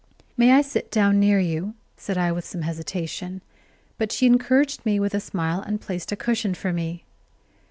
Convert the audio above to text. "May I sit down near you?" said I with some hesitation; but she encouraged me with a smile and placed a cushion for me.